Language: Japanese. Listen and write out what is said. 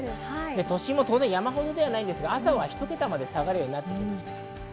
都心も山ほどではありませんが朝はひと桁まで下がるようになってきました。